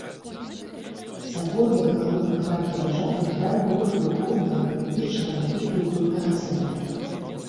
Сабор як галоўны храм дзяржавы граў ролю духоўнага, палітычнага і культурнага цэнтра.